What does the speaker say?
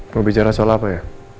mau bicara soal apa ya